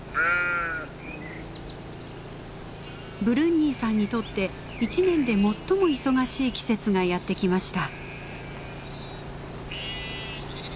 ブルンニーさんにとって一年で最も忙しい季節がやって来ました。